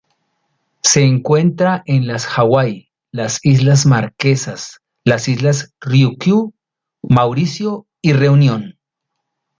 Se encuentra en las Hawaii, las Islas Marquesas, las Islas Ryukyu, Mauricio y Reunión.